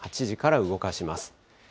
８時から動かします。